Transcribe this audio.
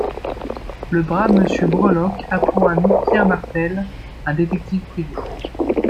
Le brave Monsieur Breloque a pour ami Pierre Martel, un détective privé.